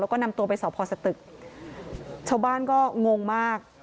แล้วก็นำตัวไปสอบพอสตึกชาวบ้านก็งงมาก